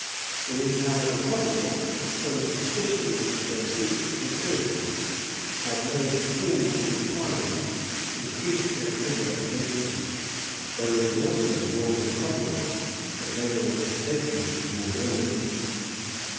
[] It is, however, probable, that some suspicions of their secret conspiracies had made the queen and parliament increase their rigor against them; though it is also more than probable, that they were mistaken in the remedy.